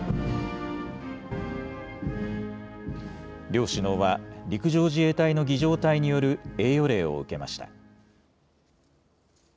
両首脳は陸上自衛隊の儀じょう隊による栄誉礼を受けました。